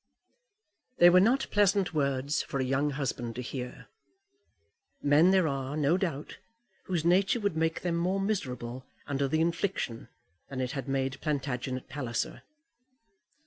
They were not pleasant words for a young husband to hear. Men there are, no doubt, whose nature would make them more miserable under the infliction than it had made Plantagenet Palliser.